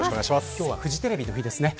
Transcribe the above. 今日はフジテレビの日ですね。